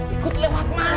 ikut lemah banget sih